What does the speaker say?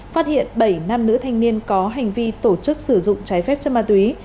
phát hiện bảy nam nữ thanh niên có hành vi tổ chức sử dụng trái phép chất ma túy